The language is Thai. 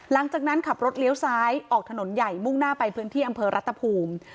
หลังจากนั้นขับรถเลี้ยวซ้ายออกถนนใหญ่มุ่งหน้าไปพื้นที่อำเภอรัตภูมิ